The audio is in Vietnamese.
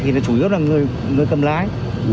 thì chủ yếu là người cầm lái